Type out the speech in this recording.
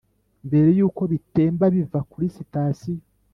mbere yuko bitemba biva kuri sitasiyo